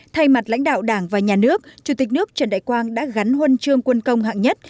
thay mặt lãnh đạo đảng và nhà nước chủ tịch nước trần đại quang đã gắn huân chương quân công hạng nhất